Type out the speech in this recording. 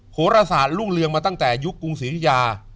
โหรศาสตร์รุ่งเรืองมาตั้งแต่ยุคกรุงศิริยา